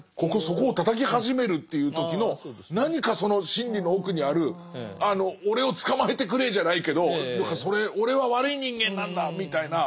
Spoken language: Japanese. そこをたたき始めるっていう時の何かその心理の奥にある俺を捕まえてくれじゃないけど俺は悪い人間なんだみたいな。